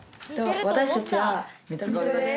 私たちは。